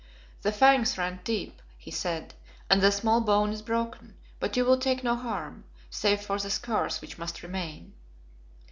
"The fangs rent deep," he said, "and the small bone is broken, but you will take no harm, save for the scars which must remain."